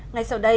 ngay sau đây